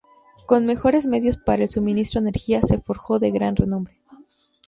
Con mejores medios para el suministro de energía, se forjó de gran renombre.